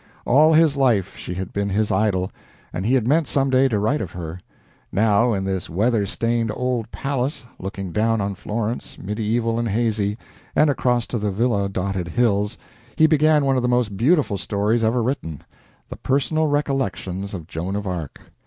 All his life she had been his idol, and he had meant some day to write of her. Now, in this weather stained old palace, looking down on Florence, medieval and hazy, and across to the villa dotted hills, he began one of the most beautiful stories ever written, "The Personal Recollections of Joan of Arc."